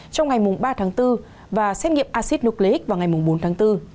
trong ngày ba tháng bốn và xét nghiệm acid nucleic vào ngày bốn tháng bốn